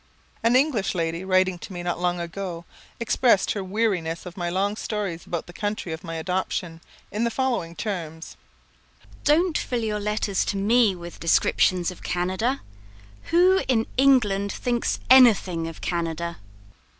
An English lady, writing to me not long ago, expressed her weariness of my long stories about the country of my adoption, in the following terms: "Don't fill your letters to me with descriptions of Canada. Who, in England, thinks anything of _Canada!